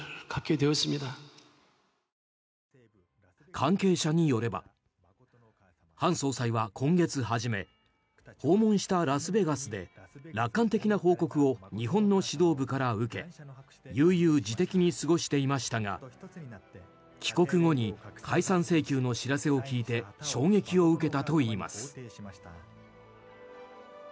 関係者によれば、ハン総裁は今月初め訪問したラスベガスで楽観的な報告を日本の指導部から受け悠々自適に過ごしていましたが帰国後に解散請求の知らせを聞いて衝撃を受けたといいます。